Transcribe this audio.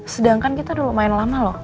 sedangkan kita udah lumayan lama loh